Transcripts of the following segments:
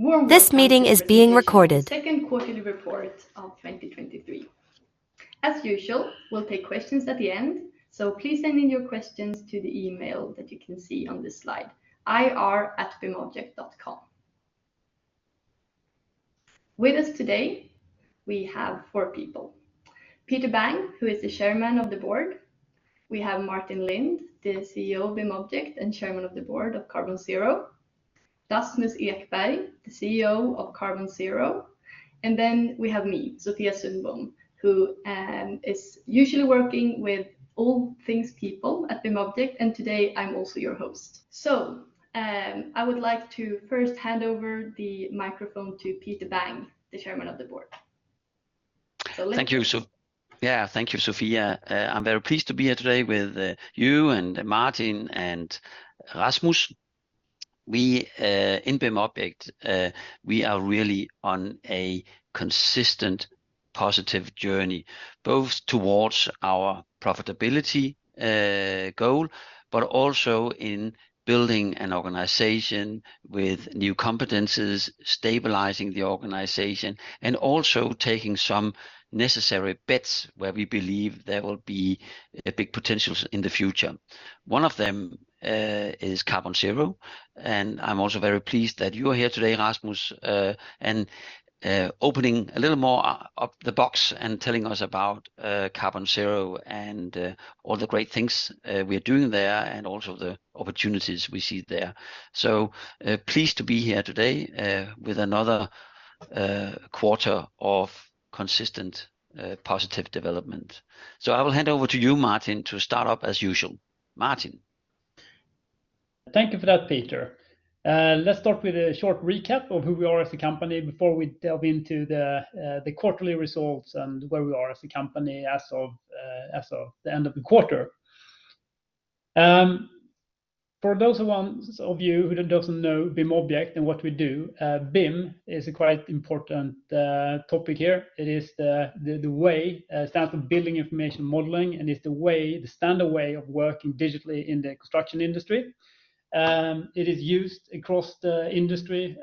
Warm welcome to the presentation of the second quarterly report of 2023. As usual, we'll take questions at the end, so please send in your questions to the email that you can see on this slide, ir@bimobject.com. With us today, we have four people. Peter Bang, who is the Chairman of the Board. We have Martin Lindh, the CEO of BIMobject and Chairman of the Board of Carbonzero. Rasmus Ekberg, the CEO of Carbonzero. Then we have me, Sofia Sundbom, who is usually working with all things people at BIMobject, and today, I'm also your host. I would like to first hand over the microphone to Peter Bang, the Chairman of the Board. Thank you. Yeah, thank you, Sofia. I'm very pleased to be here today with you, and Martin, and Rasmus. We in BIMobject, we are really on a consistent, positive journey, both towards our profitability goal, but also in building an organization with new competencies, stabilizing the organization, and also taking some necessary bets where we believe there will be a big potential in the future. One of them is Carbonzero. I'm also very pleased that you are here today, Rasmus, and opening a little more up the box and telling us about Carbonzero and all the great things we are doing there, and also the opportunities we see there. Pleased to be here today with another quarter of consistent positive development. I will hand over to you, Martin, to start off as usual. Martin. Thank you for that, Peter. Let's start with a short recap of who we are as a company before we delve into the quarterly results and where we are as a company as of the end of the quarter. For those ones of you who doesn't know BIMobject and what we do, BIM is a quite important topic here. It is the, the, the way stands for Building Information Modeling, and it's the way, the standard way of working digitally in the construction industry. It is used across the industry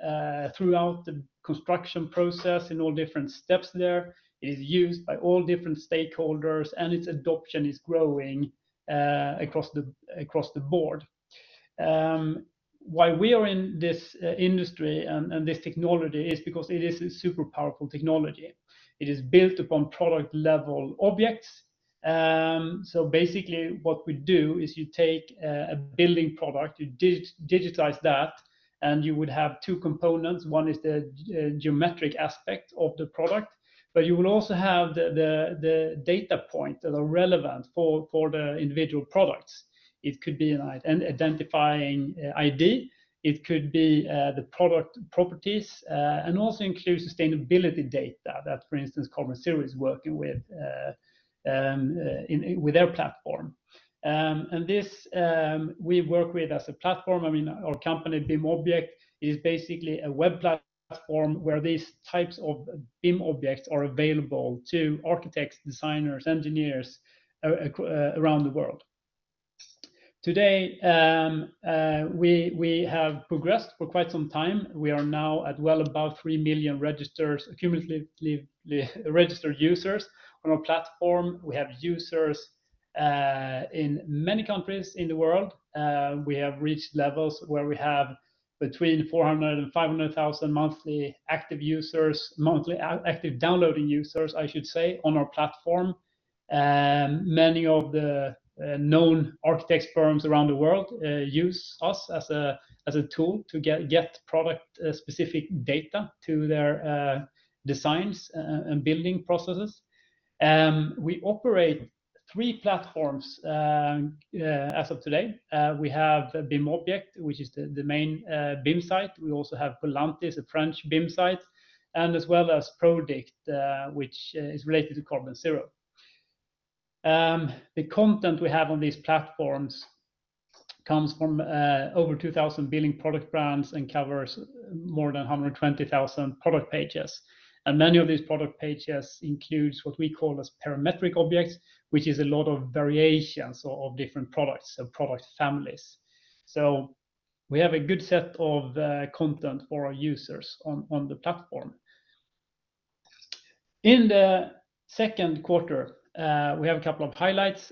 throughout the construction process in all different steps there. It is used by all different stakeholders, and its adoption is growing across the, across the board. Why we are in this industry and, and this technology is because it is a super powerful technology. It is built upon product-level objects. Basically, what we do is you take a building product, you digitize that, and you would have two components. One is the geometric aspect of the product, but you will also have the data points that are relevant for the individual products. It could be an identifying ID, it could be the product properties, and also includes sustainability data that, for instance, Carbonzero is working with in with their platform. This we work with as a platform. I mean, our company, BIMobject, is basically a web platform where these types of BIM objects are available to architects, designers, engineers, around the world. Today, we have progressed for quite some time. We are now at well above three million registers, cumulatively, registered users on our platform. We have users in many countries in the world. We have reached levels where we have between 400,000-500,000 monthly active users, monthly active downloading users, I should say, on our platform. Many of the known architects firms around the world use us as a tool to get product specific data to their designs and building processes. We operate three platforms as of today. We have BIMobject, which is the main BIM site. We also have Polantis, a French BIM site, and as well as Prodikt, which is related to Carbonzero. The content we have on these platforms comes from over 2,000 building product brands and covers more than 120,000 product pages. Many of these product pages includes what we call as parametric objects, which is a lot of variations of different products and product families. We have a good set of content for our users on, on the platform. In the second quarter, we have a couple of highlights,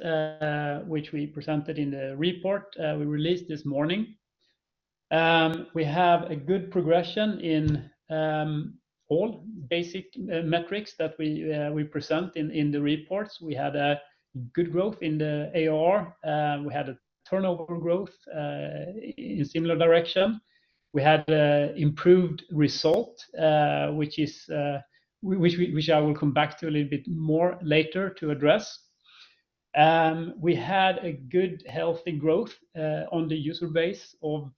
which we presented in the report we released this morning. We have a good progression in all basic metrics that we present in the reports. We had a good growth in the AR. We had a turnover growth in similar direction. We had improved result, which I will come back to a little bit more later to address. We had a good, healthy growth on the user base of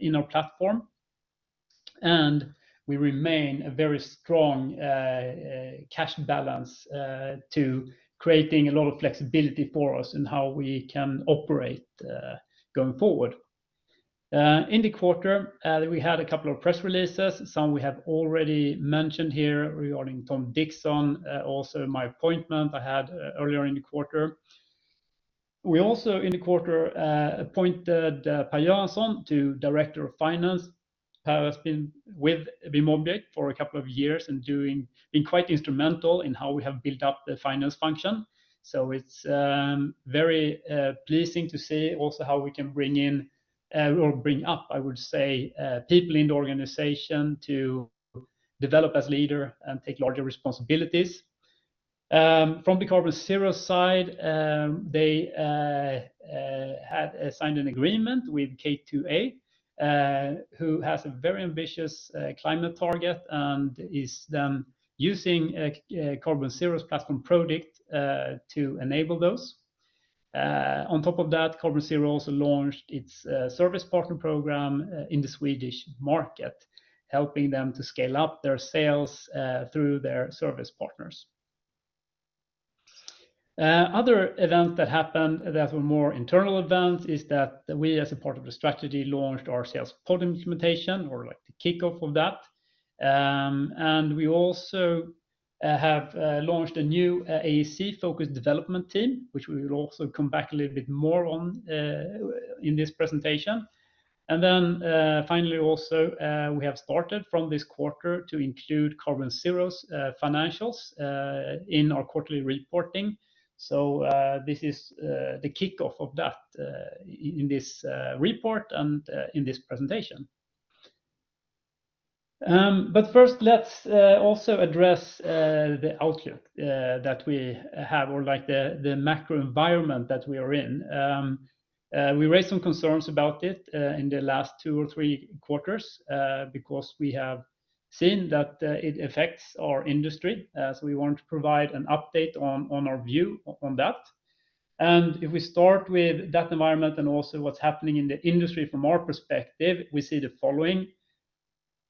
in our platform, and we remain a very strong cash balance to creating a lot of flexibility for us in how we can operate going forward. In the quarter, we had a couple of press releases. Some we have already mentioned here regarding Tom Dixon, also my appointment I had earlier in the quarter. We also in the quarter appointed Per Göransson to Director of Finance. Per has been with BIMobject for a couple of years and doing, been quite instrumental in how we have built up the finance function. It's very pleasing to see also how we can bring in or bring up, I would say, people in the organization to develop as leader and take larger responsibilities. From the Carbonzero side, they had signed an agreement with K2A, who has a very ambitious climate target and is then using a Carbonzero's platform product to enable those. On top of that, Carbonzero also launched its service partner program in the Swedish market, helping them to scale up their sales through their service partners. Other events that happened that were more internal events is that we, as a part of the strategy, launched our sales pod implementation or, like, the kickoff of that. We also have launched a new AEC-focused development team, which we will also come back a little bit more on in this presentation. Finally, also, we have started from this quarter to include Carbonzero's financials in our quarterly reporting. This is the kickoff of that in this report and in this presentation. First, let's also address the outlook that we have, or like the, the macro environment that we are in. We raised some concerns about it in the last two or three quarters because we have seen that it affects our industry. We want to provide an update on our view on that. If we start with that environment and also what's happening in the industry from our perspective, we see the following.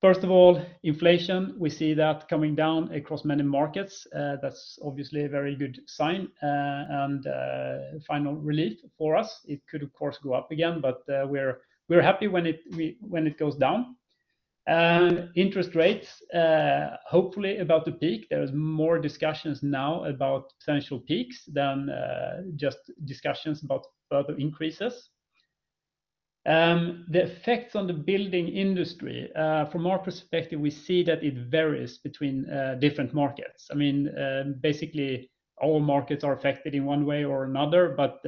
First of all, inflation, we see that coming down across many markets. That's obviously a very good sign, and final relief for us. It could, of course, go up again, but we're, we're happy when it goes down. Interest rates, hopefully about to peak. There is more discussions now about potential peaks than just discussions about further increases. The effects on the building industry, from our perspective, we see that it varies between different markets. I mean, basically, all markets are affected in one way or another, but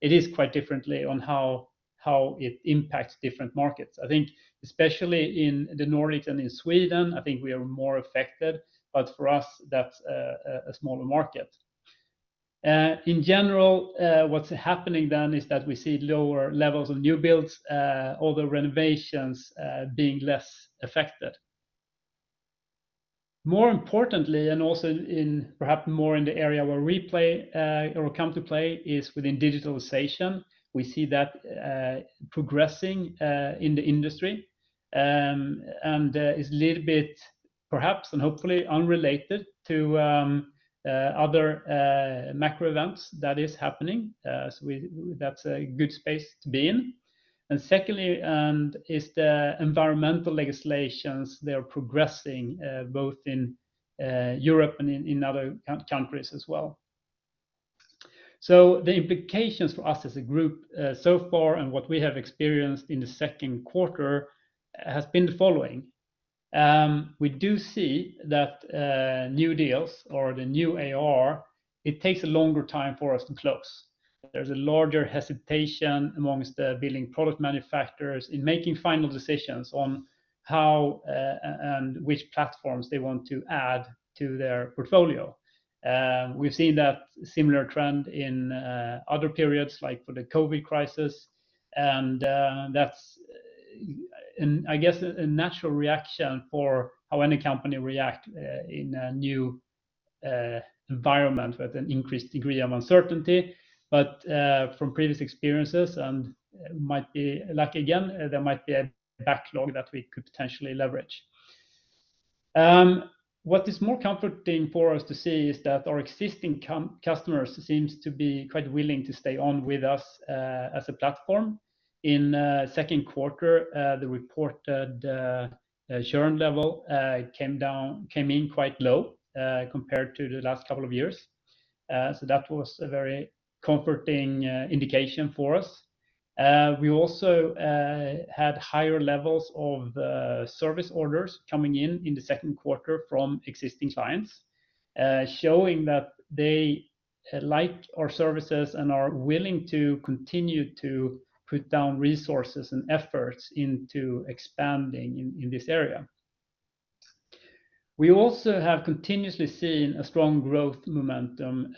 it is quite differently on how, how it impacts different markets. I think especially in the Nordics and in Sweden, I think we are more affected, but for us, that's a, a, a smaller market. In general, what's happening then is that we see lower levels of new builds, although renovations being less affected. More importantly, and also in perhaps more in the area where we play, or come to play, is within digitalization. We see that progressing in the industry, and is a little bit perhaps and hopefully unrelated to other macro events that is happening. So we- that's a good space to be in. Secondly, and is the environmental legislations, they are progressing both in Europe and in, in other count- countries as well. The implications for us as a group, so far and what we have experienced in the second quarter, has been the following. We do see that new deals or the new AR, it takes a longer time for us to close. There's a larger hesitation amongst the building product manufacturers in making final decisions on how and which platforms they want to add to their portfolio. We've seen that similar trend in other periods, like for the COVID crisis, and that's and I guess a natural reaction for how any company react in a new environment with an increased degree of uncertainty. From previous experiences, and might be lucky again, there might be a backlog that we could potentially leverage. What is more comforting for us to see is that our existing customers seems to be quite willing to stay on with us as a platform. In second quarter, the reported churn level came down, came in quite low compared to the last couple of years. That was a very comforting indication for us. We also had higher levels of service orders coming in in the second quarter from existing clients, showing that they like our services and are willing to continue to put down resources and efforts into expanding in this area. We also have continuously seen a strong growth momentum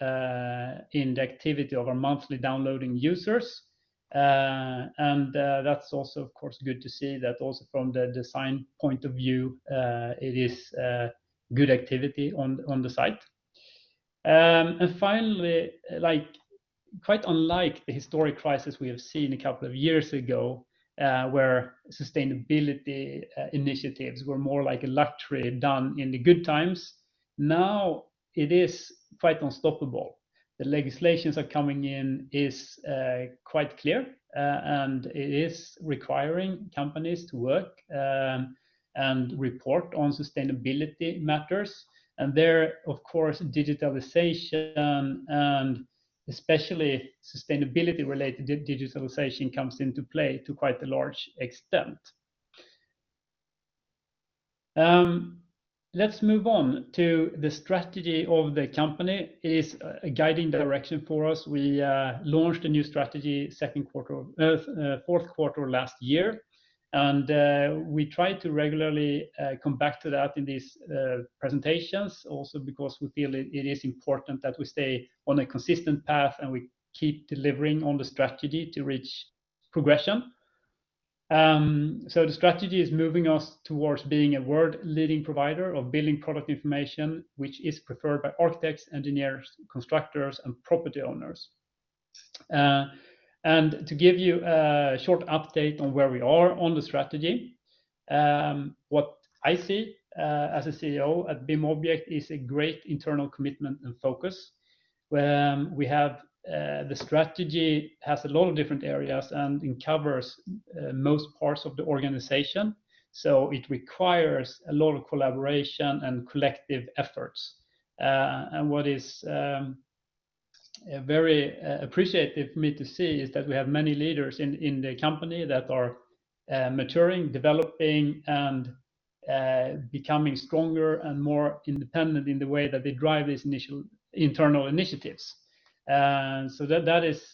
in the activity of our monthly downloading users. That's also, of course, good to see that also from the design point of view, it is good activity on, on the site. Finally, like, quite unlike the historic crisis we have seen a couple of years ago, where sustainability initiatives were more like a luxury done in the good times, now it is quite unstoppable. The legislations are coming in is quite clear, and it is requiring companies to work and report on sustainability matters. There, of course, digitalization, and especially sustainability-related digitalization comes into play to quite a large extent. Let's move on to the strategy of the company. It is a guiding direction for us. We launched a new strategy 2nd quarter of 4th quarter last year. We try to regularly come back to that in these presentations, also because we feel it, it is important that we stay on a consistent path, and we keep delivering on the strategy to reach progression. The strategy is moving us towards being a world-leading provider of building product information, which is preferred by architects, engineers, constructors and property owners. To give you a short update on where we are on the strategy, what I see as a CEO at BIMobject is a great internal commitment and focus, where the strategy has a lot of different areas and it covers most parts of the organization, so it requires a lot of collaboration and collective efforts. What is a very appreciative for me to see is that we have many leaders in, in the company that are maturing, developing, and becoming stronger and more independent in the way that they drive these initial internal initiatives. That, that is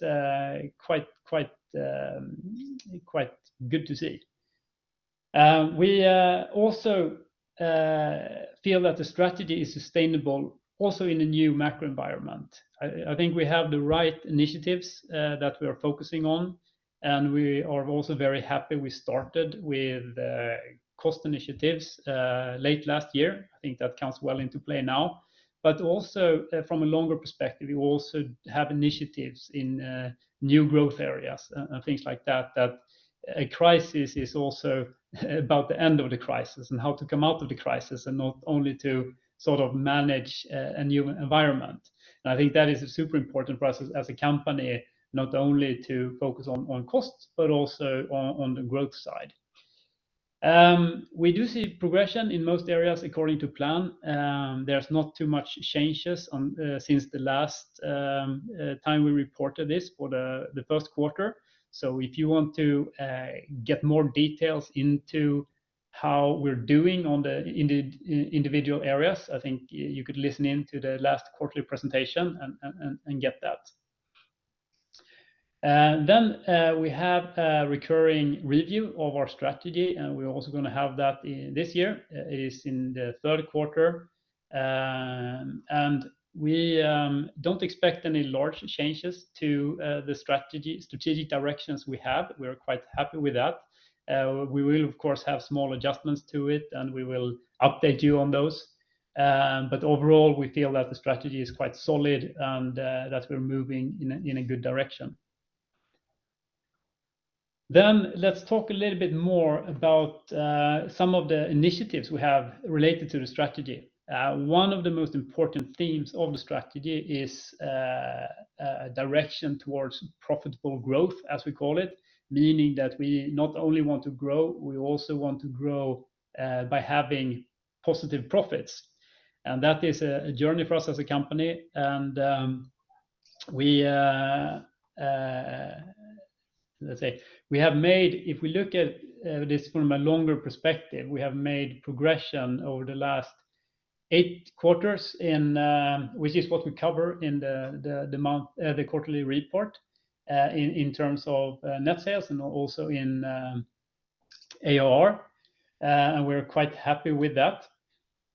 quite, quite, quite good to see. We also feel that the strategy is sustainable also in the new macro environment. I, I think we have the right initiatives that we are focusing on, and we are also very happy we started with cost initiatives late last year. I think that comes well into play now. Also, from a longer perspective, we also have initiatives in new growth areas and things like that, that a crisis is also about the end of the crisis and how to come out of the crisis, and not only to sort of manage a new environment. I think that is a super important for us as a company, not only to focus on costs, but also on the growth side. We do see progression in most areas according to plan. There's not too much changes on since the last time we reported this for the first quarter. If you want to get more details into how we're doing on the individual areas, I think you could listen in to the last quarterly presentation and get that. Then, we have a recurring review of our strategy, and we're also gonna have that this year, is in the third quarter. We, don't expect any large changes to, the strategy, strategic directions we have. We're quite happy with that. We will, of course, have small adjustments to it, and we will update you on those. Overall, we feel that the strategy is quite solid and, that we're moving in a, in a good direction. Let's talk a little bit more about, some of the initiatives we have related to the strategy. One of the most important themes of the strategy is a direction towards profitable growth, as we call it, meaning that we not only want to grow, we also want to grow by having positive profits, and that is a journey for us as a company. We, let's say, we have made, if we look at this from a longer perspective, we have made progression over the last eight quarters in which is what we cover in the monthly, the quarterly report in terms of net sales and also in AR, and we're quite happy with that.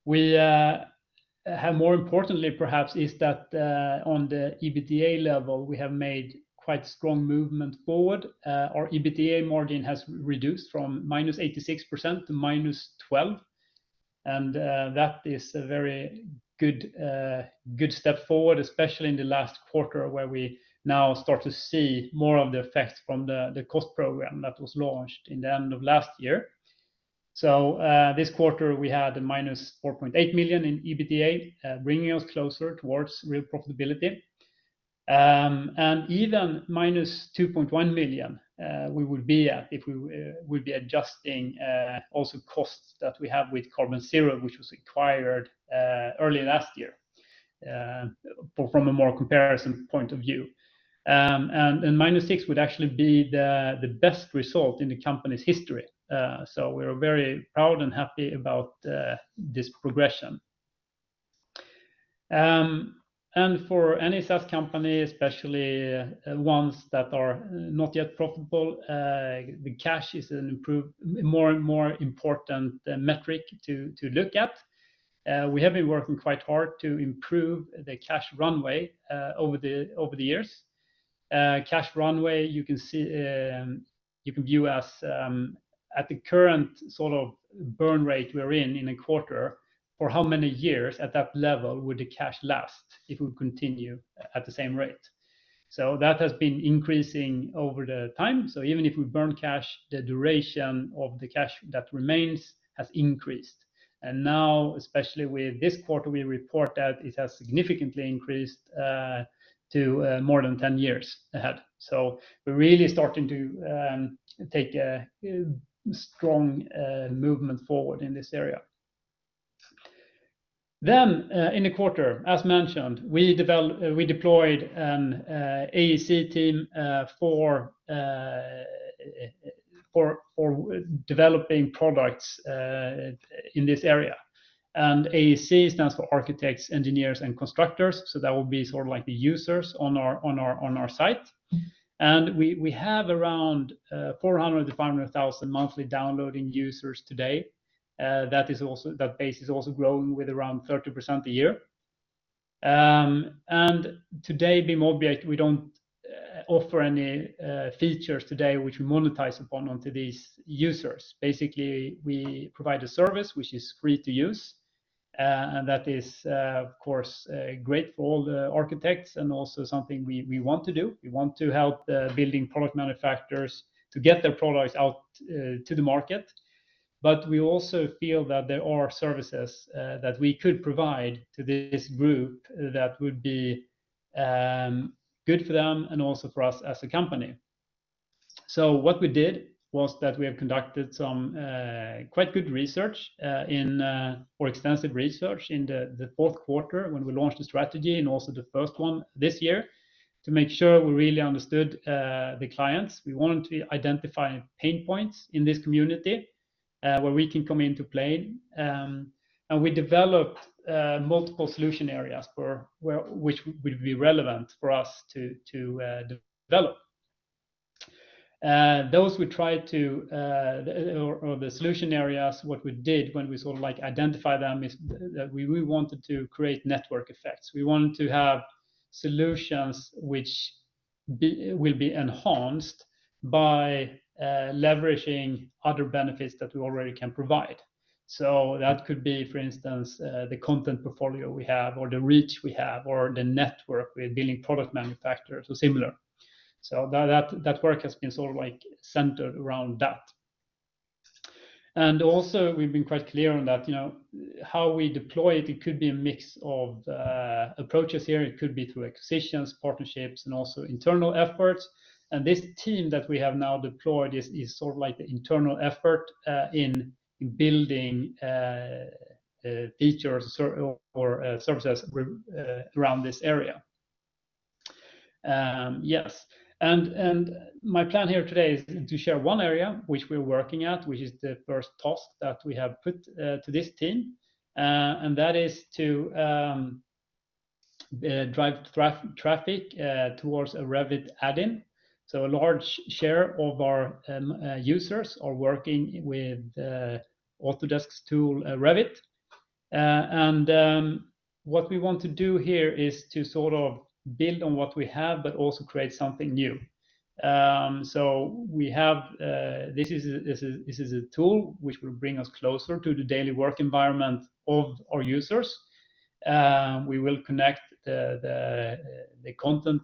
We have more importantly, perhaps, is that on the EBITDA level, we have made quite strong movement forward. Our EBITDA margin has reduced from -86% to -12%. That is a very good step forward, especially in the last quarter, where we now start to see more of the effects from the cost program that was launched in the end of last year. This quarter, we had -4.8 million in EBITDA, bringing us closer towards real profitability. Even -2.1 million we would be at if we'd be adjusting also costs that we have with Carbonzero, which was acquired early last year, for from a more comparison point of view. -6 million would actually be the best result in the company's history. We're very proud and happy about this progression. For any SaaS company, especially ones that are not yet profitable, the cash is an improved, more and more important metric to look at. We have been working quite hard to improve the cash runway over the years. Cash runway, you can see, you can view as, at the current burn rate we're in, in a quarter, for how many years at that level would the cash last if we continue at the same rate? That has been increasing over the time. Even if we burn cash, the duration of the cash that remains has increased. Now, especially with this quarter, we report that it has significantly increased to more than 10 years ahead. We're really starting to take a strong movement forward in this area. In the quarter, as mentioned, we deployed an AEC team for developing products in this area. AEC stands for architects, engineers, and constructors, so that will be sort of like the users on our site. We have around 400,000-500,000 monthly downloading users today. That base is also growing with around 30% a year. Today, BIMobject, we don't offer any features today, which we monetize upon onto these users. Basically, we provide a service which is free to use, and that is, of course, great for all the architects and also something we want to do. We want to help building product manufacturers to get their products out to the market. We also feel that there are services that we could provide to this group that would be good for them and also for us as a company. What we did was that we have conducted some quite good research in or extensive research in the fourth quarter when we launched the strategy and also the first one this year, to make sure we really understood the clients. We wanted to identify pain points in this community where we can come into play. We developed multiple solution areas for where, which would be relevant for us to, to develop. Those we tried to or, or the solution areas, what we did when we sort of like identify them is that we, we wanted to create network effects. We wanted to have solutions which be, will be enhanced by leveraging other benefits that we already can provide. That could be, for instance, the content portfolio we have, or the reach we have, or the network with building product manufacturers or similar. That, that, that work has been sort of like centered around that. Also, we've been quite clear on that, you know, how we deploy it, it could be a mix of approaches here. It could be through acquisitions, partnerships, and also internal efforts. This team that we have now deployed is, is sort of like the internal effort in building features or services around this area. Yes, my plan here today is to share one area which we're working at, which is the first task that we have put to this team, and that is to drive traffic towards a Revit add-in. A large share of our users are working with Autodesk's tool, Revit. What we want to do here is to sort of build on what we have, but also create something new. We have, this is a tool which will bring us closer to the daily work environment of our users. We will connect the content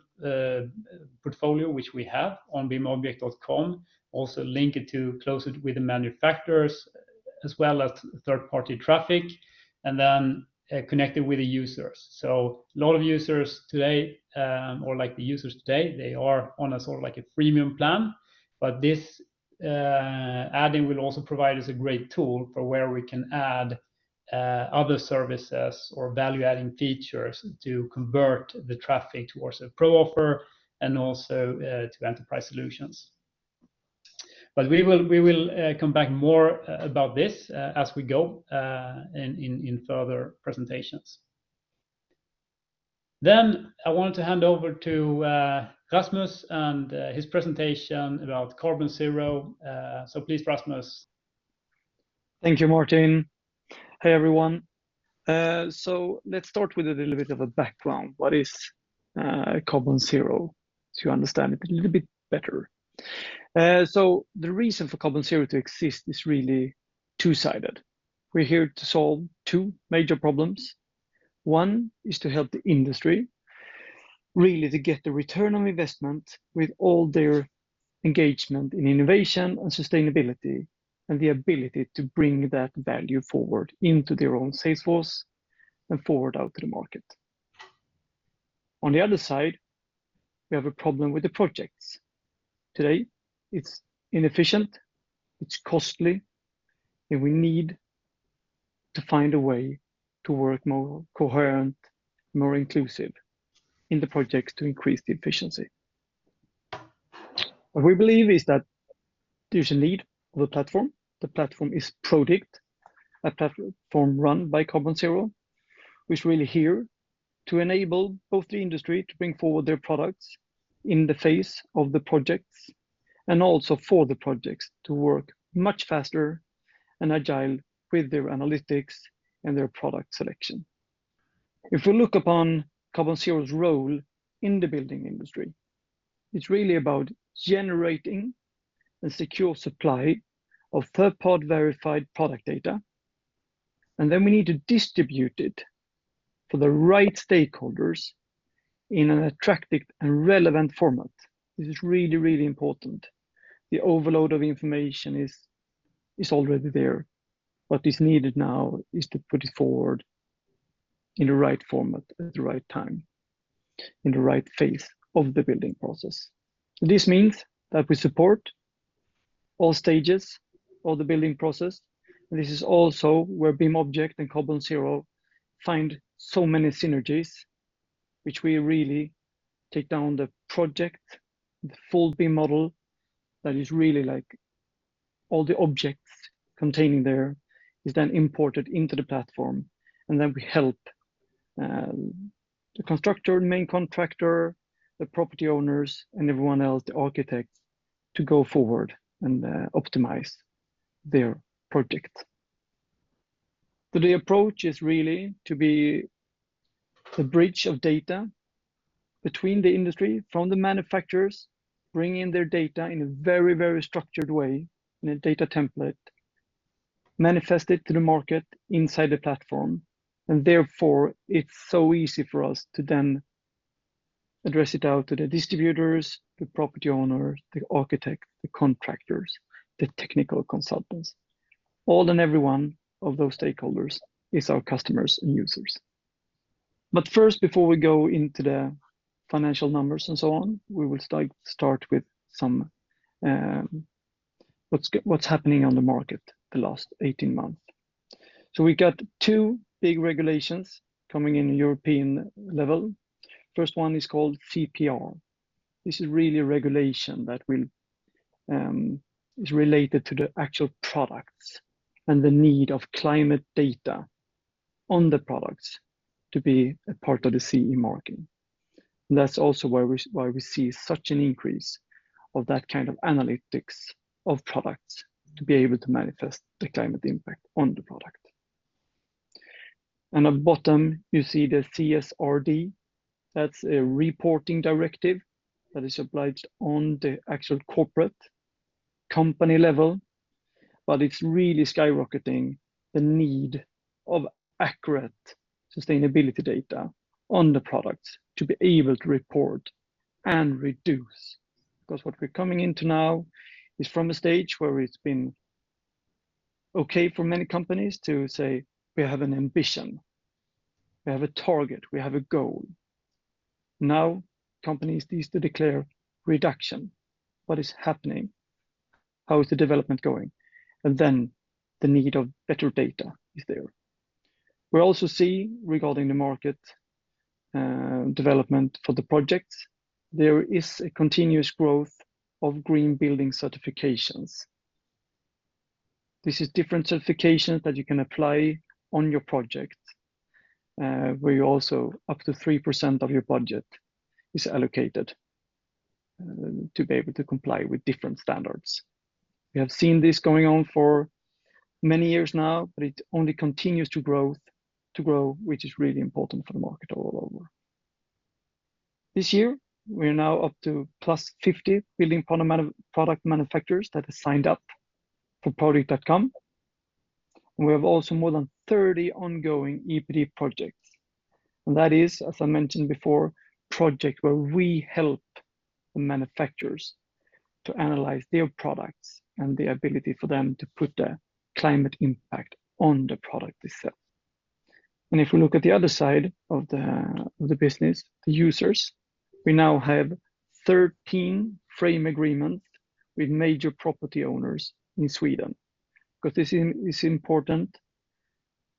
portfolio, which we have on bimobject.com, also link it to closer with the manufacturers, as well as third-party traffic, and then connect it with the users. A lot of users today, or like the users today, they are on a sort of like a freemium plan. This add-in will also provide us a great tool for where we can add other services or value-adding features to convert the traffic towards a pro offer and also to enterprise solutions. We will, we will come back more about this as we go in, in, in further presentations. I wanted to hand over to Rasmus and his presentation about Carbonzero. Please, Rasmus. Thank you, Martin. Hey, everyone. Let's start with a little bit of a background. What is Carbonzero? To understand it a little bit better. The reason for Carbonzero to exist is really two-sided. We're here to solve two major problems. One is to help the industry, really, to get the return on investment with all their engagement in innovation and sustainability, and the ability to bring that value forward into their own sales force and forward out to the market. On the other side, we have a problem with the projects. Today, it's inefficient, it's costly, and we need to find a way to work more coherent, more inclusive in the projects to increase the efficiency. What we believe is that there's a need for the platform. The platform is Prodikt, a platform run by Carbonzero, which really here to enable both the industry to bring forward their products in the face of the projects, and also for the projects to work much faster and agile with their analytics and their product selection. If we look upon Carbonzero's role in the building industry, it's really about generating a secure supply of third-party verified product data, and then we need to distribute it for the right stakeholders in an attractive and relevant format. This is really, really important. The overload of information is already there. What is needed now is to put it forward in the right format, at the right time, in the right phase of the building process. This means that we support all stages of the building process. This is also where BIMobject and Carbonzero find so many synergies, which we really take down the project, the full BIM model, that is really like all the objects containing there, is then imported into the platform. Then we help the constructor, the main contractor, the property owners, and everyone else, the architects, to go forward and optimize their project. The approach is really to be the bridge of data between the industry, from the manufacturers, bringing their data in a very, very structured way, in a data template, manifest it to the market inside the platform. Therefore, it's so easy for us to then address it out to the distributors, the property owners, the architect, the contractors, the technical consultants. All and every one of those stakeholders is our customers and users. First, before we go into the financial numbers and so on, we will start with some, what's happening on the market the last 18 months. We got two big regulations coming in European level. First one is called CPR. This is really a regulation that will is related to the actual products and the need of climate data on the products to be a part of the CE marking. That's also why we see such an increase of that kind of analytics of products to be able to manifest the climate impact on the product. At the bottom, you see the CSRD. That's a reporting directive that is applied on the actual corporate company level, but it's really skyrocketing the need of accurate sustainability data on the products to be able to report and reduce. Because what we're coming into now is from a stage where it's been okay for many companies to say, "We have an ambition. We have a target. We have a goal." Now, companies needs to declare reduction. What is happening? How is the development going? The need of better data is there. We also see, regarding the market, development for the projects, there is a continuous growth of green building certifications. This is different certifications that you can apply on your project, where you also, up to 3% of your budget is allocated, to be able to comply with different standards. We have seen this going on for many years now, it only continues to grow, which is really important for the market all over. This year, we're now up to +50 building product manufacturers that have signed up for prodikt.com. We have also more than 30 ongoing EPD projects. That is, as I mentioned before, project where we help the manufacturers to analyze their products and the ability for them to put the climate impact on the product itself. If you look at the other side of the business, the users, we now have 13 frame agreements with major property owners in Sweden, because this is important.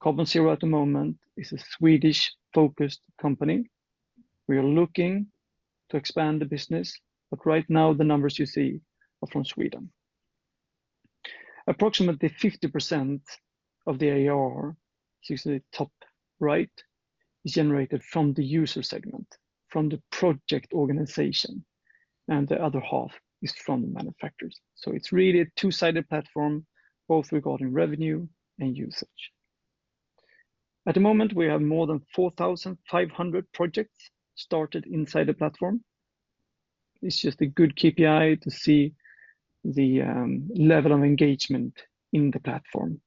Carbonzero, at the moment, is a Swedish-focused company. We are looking to expand the business, but right now, the numbers you see are from Sweden. Approximately 50% of the AR, you see the top right, is generated from the user segment, from the project organization, and the other half is from the manufacturers. It's really a two-sided platform, both regarding revenue and usage. At the moment, we have more than 4,500 projects started inside the platform. It's just a good KPI to see the level of engagement in the platform,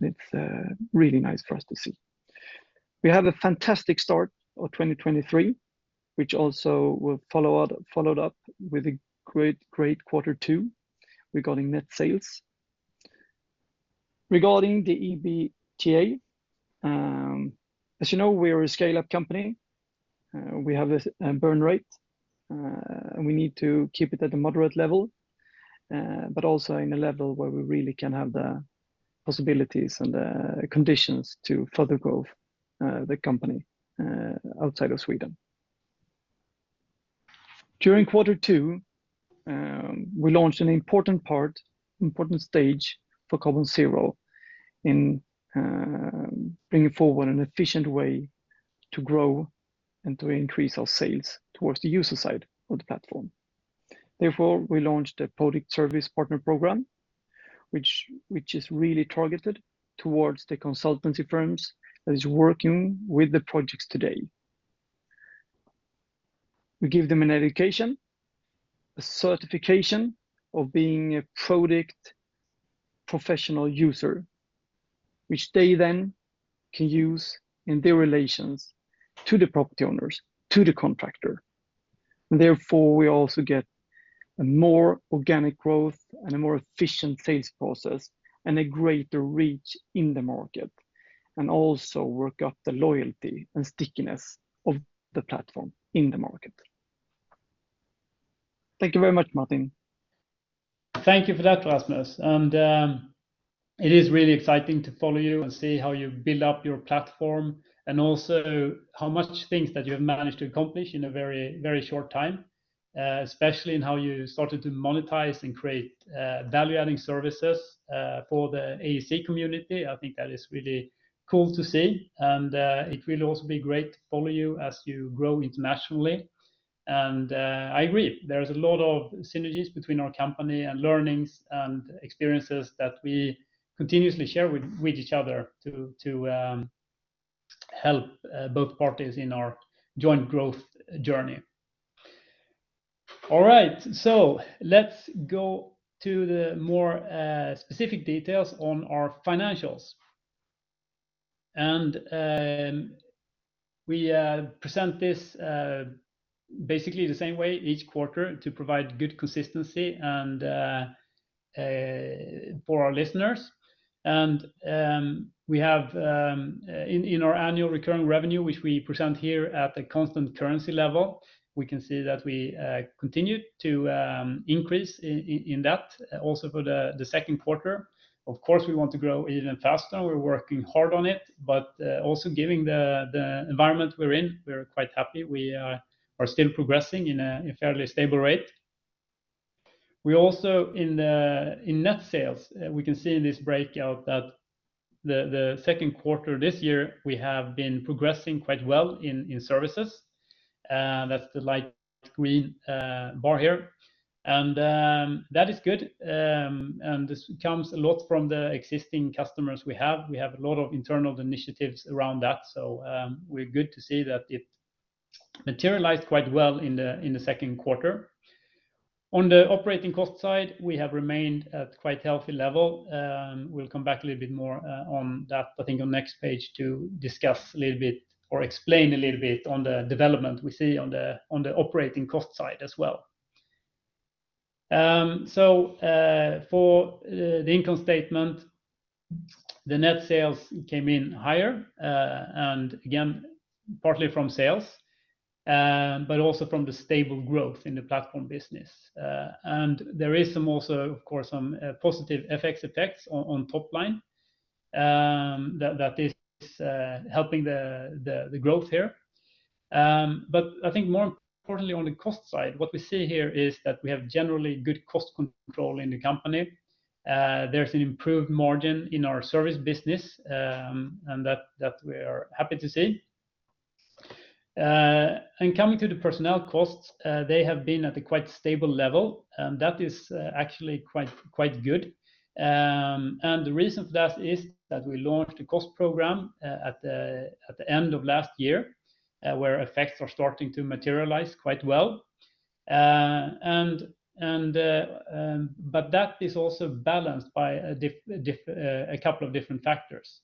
and it's really nice for us to see. We have a fantastic start of 2023, which also followed up with a great, great Q2, regarding net sales. Regarding the EBITDA, as you know, we are a scale-up company. We have a burn rate and we need to keep it at a moderate level, but also in a level where we really can have the possibilities and the conditions to further grow the company outside of Sweden. During quarter two, we launched an important part, important stage for Carbonzero in bringing forward an efficient way to grow and to increase our sales towards the user side of the platform. Therefore, we launched a Prodikt service partner program, which is really targeted towards the consultancy firms that is working with the projects today. We give them an education, a certification of being a Prodikt professional user, which they then can use in their relations to the property owners, to the contractor. Therefore, we also get a more organic growth and a more efficient sales process and a greater reach in the market, and also work up the loyalty and stickiness of the platform in the market. Thank you very much, Martin. Thank you for that, Rasmus. It is really exciting to follow you and see how you build up your platform, and also how much things that you have managed to accomplish in a very, very short time, especially in how you started to monetize and create value-adding services for the AEC community. I think that is really cool to see. It will also be great to follow you as you grow internationally. I agree, there is a lot of synergies between our company and learnings and experiences that we continuously share with, with each other to, to help both parties in our joint growth journey. All right, let's go to the more specific details on our financials. We present this basically the same way each quarter to provide good consistency for our listeners. We have in our annual recurring revenue, which we present here at the constant currency level, we can see that we continued to increase in that, also for the second quarter. Of course, we want to grow even faster. We're working hard on it, but also giving the environment we're in, we're quite happy. We are still progressing in a fairly stable rate. We also in net sales, we can see in this breakout that the second quarter this year, we have been progressing quite well in services. That's the light green bar here, and that is good. This comes a lot from the existing customers we have. We have a lot of internal initiatives around that, so we're good to see that it materialized quite well in the, in the second quarter. On the operating cost side, we have remained at quite healthy level. We'll come back a little bit more on that, I think, on next page, to discuss a little bit or explain a little bit on the development we see on the, on the operating cost side as well. For the income statement, the net sales came in higher, and again, partly from sales, but also from the stable growth in the platform business. There is some also, of course, some positive FX effects on, on top line, that, that is helping the, the, the growth here. I think more importantly, on the cost side, what we see here is that we have generally good cost control in the company. There's an improved margin in our service business, and that, that we are happy to see. Coming to the personnel costs, they have been at a quite stable level, and that is actually quite, quite good. The reason for that is that we launched a cost program at the end of last year, where effects are starting to materialize quite well. That is also balanced by a couple of different factors.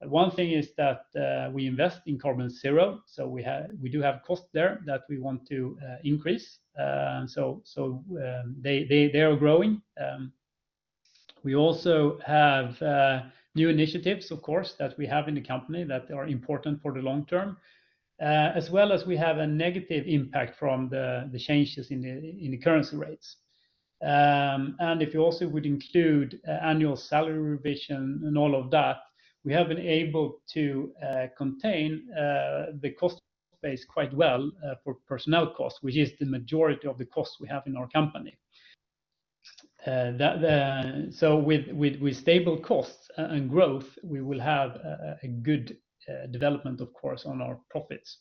One thing is that we invest in Carbonzero, so we have, we do have cost there that we want to increase. They, they, they are growing. We also have new initiatives, of course, that we have in the company that are important for the long term, as well as we have a negative impact from the changes in the currency rates. If you also would include annual salary revision and all of that, we have been able to contain the cost base quite well for personnel costs, which is the majority of the costs we have in our company. That with stable costs and growth, we will have a good development, of course, on our profits.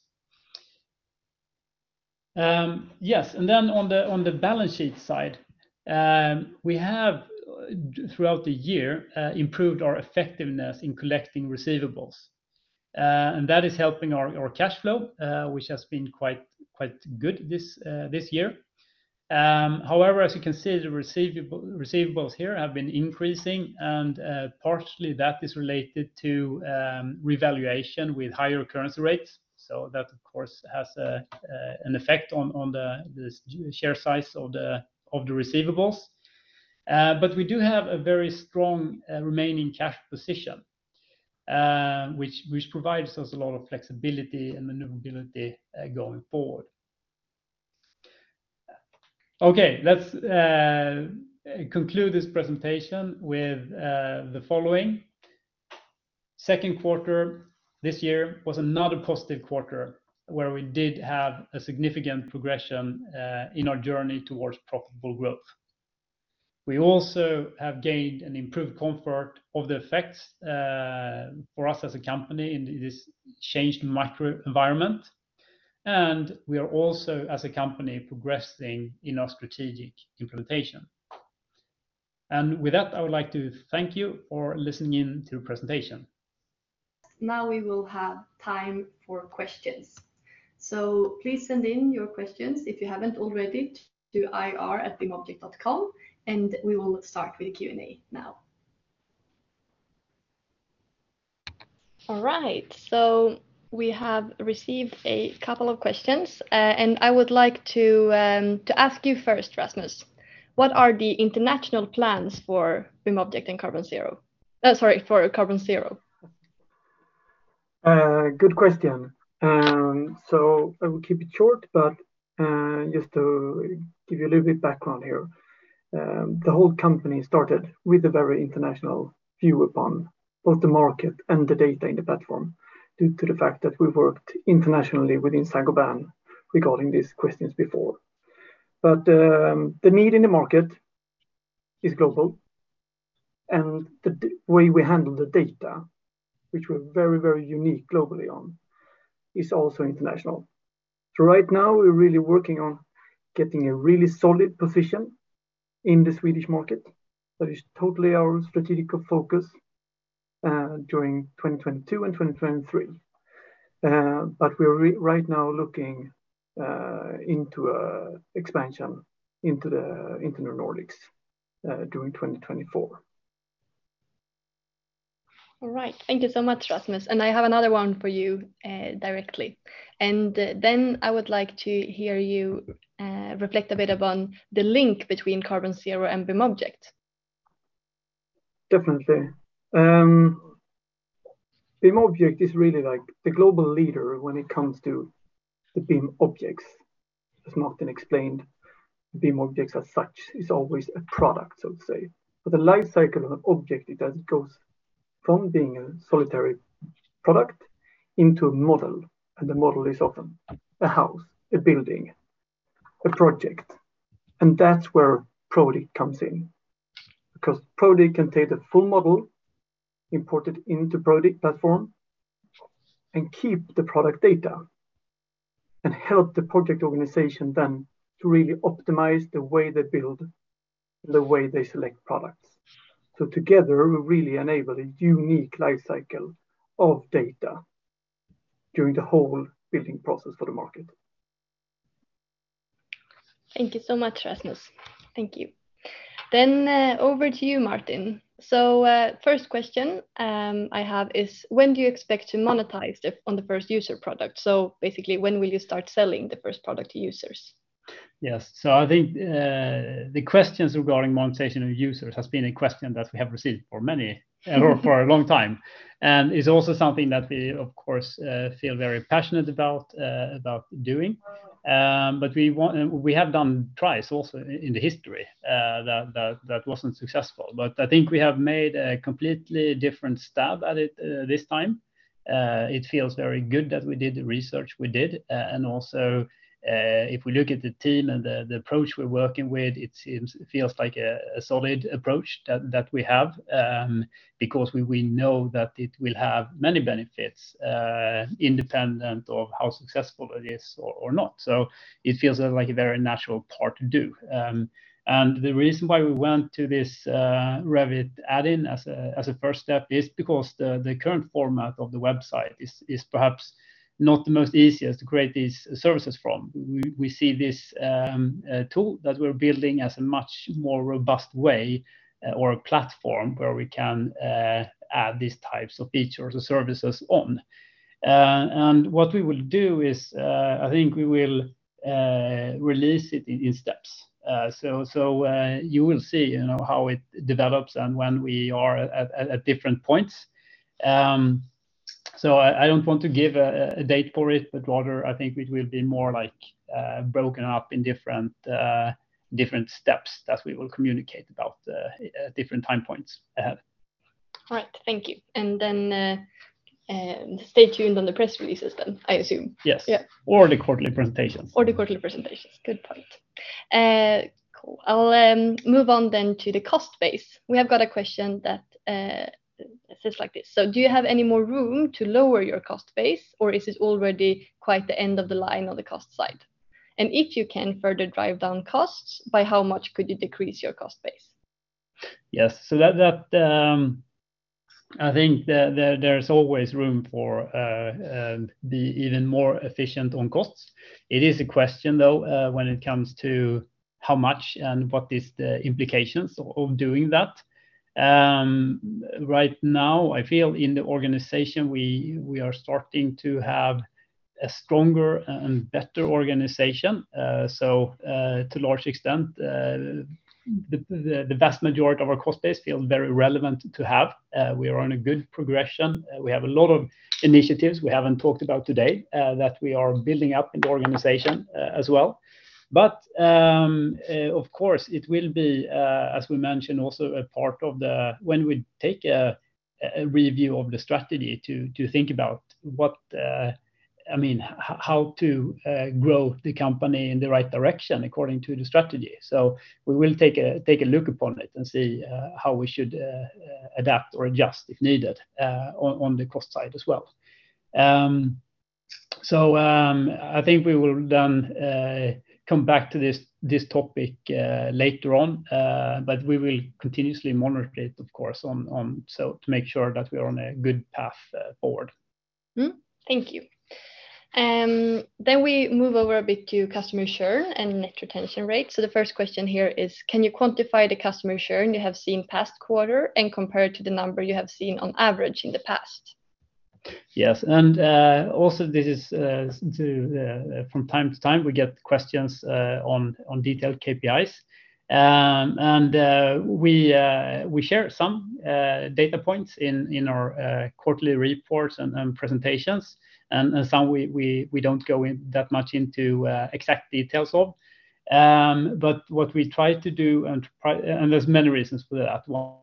Yes, on the balance sheet side, we have throughout the year improved our effectiveness in collecting receivables. That is helping our, our cash flow, which has been quite, quite good this year. However, as you can see, the receivable- receivables here have been increasing, partially that is related to revaluation with higher currency rates. That, of course, has a, an effect on the share size of the receivables. We do have a very strong remaining cash position, which provides us a lot of flexibility and maneuverability going forward. Okay, let's conclude this presentation with the following. Second quarter this year was another positive quarter, where we did have a significant progression in our journey towards profitable growth. We also have gained an improved comfort of the effects for us as a company in this changed microenvironment, and we are also, as a company, progressing in our strategic implementation. With that, I would like to thank you for listening in to the presentation. Now we will have time for questions. Please send in your questions, if you haven't already, to ir@bimobject.com, and we will start with the Q&A now. All right, we have received a couple of questions, and I would like to ask you first, Rasmus, what are the international plans for BIMobject and Carbonzero? Sorry, for Carbonzero. Good question. I will keep it short, just to give you a little bit background here, the whole company started with a very international view upon both the market and the data in the platform, due to the fact that we worked internationally within Saint-Gobain regarding these questions before. The need in the market is global, and the way we handle the data, which we're very, very unique globally on, is also international. Right now, we're really working on getting a really solid position in the Swedish market. That is totally our strategical focus, during 2022 and 2023. We're right now looking into expansion into the Nordics, during 2024. All right. Thank you so much, Rasmus. I have another one for you, directly. Then I would like to hear you, reflect a bit upon the link between Carbonzero and BIMobject. Definitely. BIMobject is really, like, the global leader when it comes to the BIM objects. As Martin explained, BIM objects, as such, is always a product, so to say. The life cycle of an object, it goes from being a solitary product into a model, and the model is often a house, a building, a project. That's where Prodikt comes in, because Prodikt can take the full model, import it into Prodikt platform, and keep the product data, and help the project organization then to really optimize the way they build and the way they select products. Together, we really enable a unique life cycle of data during the whole building process for the market. Thank you so much, Rasmus. Thank you. Over to you, Martin. First question, I have is, when do you expect to monetize the, on the first user product? Basically, when will you start selling the first product to users? Yes. I think the questions regarding monetization of users has been a question that we have received for many, or for a long time, and is also something that we, of course, feel very passionate about doing. But we want, we have done twice also in the history that wasn't successful. I think we have made a completely different stab at it this time. It feels very good that we did the research we did. And also, if we look at the team and the approach we're working with, it seems, feels like a solid approach that we have, because we know that it will have many benefits, independent of how successful it is or not. It feels like a very natural part to do. The reason why we went to this Revit add-in as a first step is because the current format of the website is perhaps not the most easiest to create these services from. We see this tool that we're building as a much more robust way or a platform where we can add these types of features or services on. What we will do is, I think we will release it in steps. You will see, you know, how it develops and when we are at different points. I, I don't want to give a, a date for it, but rather, I think it will be more like, broken up in different, different steps that we will communicate about, at different time points ahead. All right. Thank you. Stay tuned on the press releases then, I assume. Yes. Yeah. The quarterly presentations. The quarterly presentations. Good point. Cool. I'll move on then to the cost base. We have got a question that says like this: "Do you have any more room to lower your cost base, or is it already quite the end of the line on the cost side? If you can further drive down costs, by how much could you decrease your cost base? Yes, so that, that, I think there's always room for, be even more efficient on costs. It is a question, though, when it comes to how much and what is the implications of, of doing that. Right now, I feel in the organization, we, we are starting to have a stronger and better organization. To a large extent, the, the, the vast majority of our cost base feel very relevant to have. We are on a good progression. We have a lot of initiatives we haven't talked about today, that we are building up in the organization, as well. Of course, it will be as we mentioned, also a part of the, when we take a review of the strategy to think about what, I mean, how to grow the company in the right direction according to the strategy. We will take a look upon it and see how we should adapt or adjust, if needed, on the cost side as well. I think we will then come back to this topic later on. We will continuously monitor it, of course, on, so to make sure that we are on a good path forward. Mm-hmm. Thank you. We move over a bit to customer churn and net retention rate. The first question here is, can you quantify the customer churn you have seen past quarter and compare it to the number you have seen on average in the past? Yes. Also this is to from time to time, we get questions on on detailed KPIs. We we share some data points in in our quarterly reports and and presentations, and and some we we we don't go in that much into exact details of. What we try to do, and there's many reasons for that. One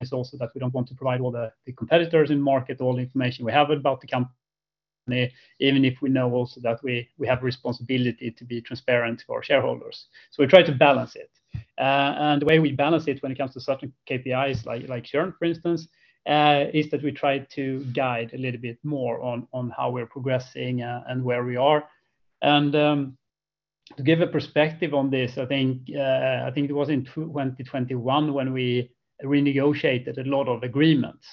is also that we don't want to provide all the the competitors in market, all the information we have about the company, even if we know also that we we have a responsibility to be transparent to our shareholders. We try to balance it. The way we balance it when it comes to certain KPIs, like, like churn, for instance, is that we try to guide a little bit more on, on how we're progressing, and where we are. To give a perspective on this, I think it was in 2021 when we renegotiated a lot of agreements.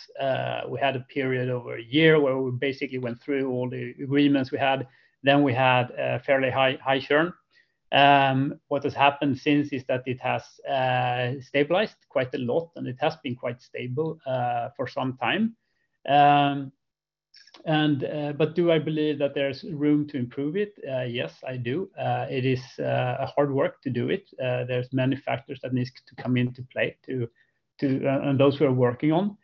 We had a period over a year where we basically went through all the agreements we had. We had a fairly high, high churn. What has happened since is that it has stabilized quite a lot, and it has been quite stable for some time. Do I believe that there's room to improve it? Yes, I do. It is a hard work to do it. There's many factors that needs to come into play. Those we are working on.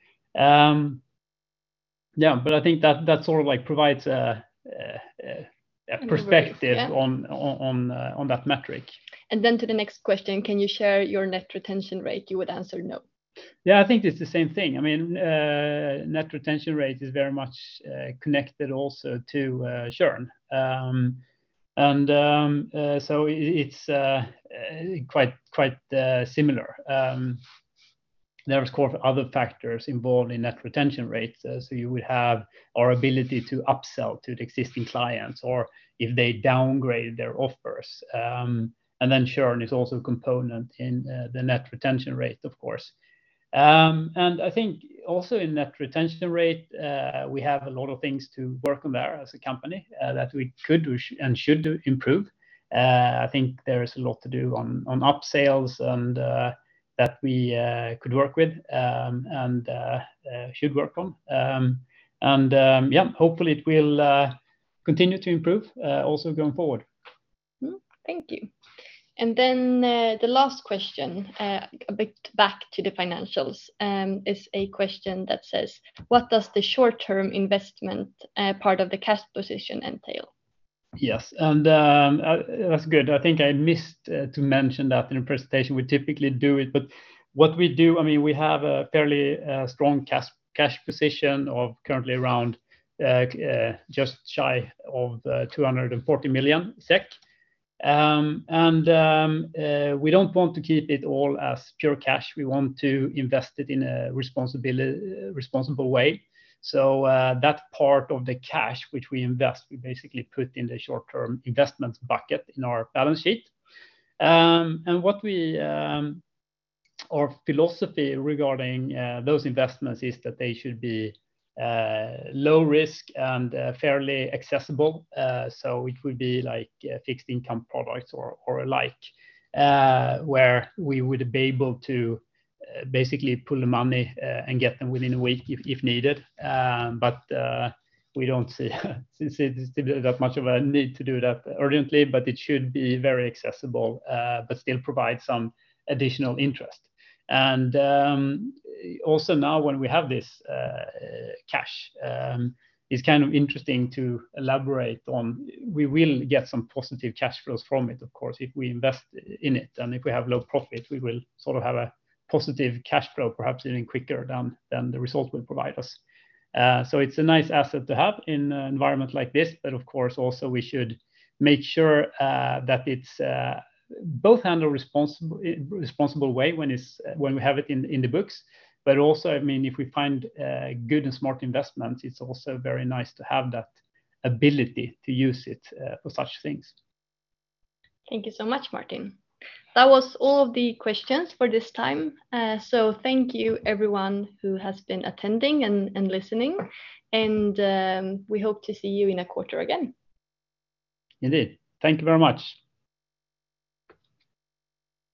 Yeah, but I think that, that sort of, like, provides a, a, a, a perspective. An overview, yeah. On, on, on that metric. To the next question, can you share your net retention rate? You would answer no. Yeah, I think it's the same thing. I mean, net retention rate is very much connected also to churn. So it's quite, quite similar. There is, of course, other factors involved in net retention rates. So you would have our ability to upsell to the existing clients or if they downgrade their offers. Churn is also a component in the net retention rate, of course. I think also in net retention rate, we have a lot of things to work on there as a company that we could and should do improve. I think there is a lot to do on, on upsales and that we could work with and should work on. Yeah, hopefully it will continue to improve also going forward. Thank you. Then, the last question, a bit back to the financials, is a question that says: What does the short-term investment, part of the cash position entail? Yes, that's good. I think I missed to mention that in the presentation. We typically do it, but what we do, I mean, we have a fairly strong cash, cash position of currently around just shy of SEK 240 million. We don't want to keep it all as pure cash. We want to invest it in a responsible way. That part of the cash which we invest, we basically put in the short-term investments bucket in our balance sheet. Our philosophy regarding those investments is that they should be low risk and fairly accessible. It would be like fixed income products or alike, where we would be able to basically pull the money and get them within a week if needed. We don't see, since it is that much of a need to do that urgently, but it should be very accessible, but still provide some additional interest. Now when we have this cash, it's kind of interesting to elaborate on we will get some positive cash flows from it, of course, if we invest in it, and if we have low profit, we will sort of have a positive cash flow, perhaps even quicker than the result will provide us. It's a nice asset to have in an environment like this. Of course, also we should make sure that it's both handled responsible, in responsible way when it's, when we have it in, in the books. Also, I mean, if we find good and smart investments, it's also very nice to have that ability to use it for such things. Thank you so much, Martin. That was all of the questions for this time. Thank you everyone who has been attending and listening, and we hope to see you in a quarter again. Indeed. Thank you very much!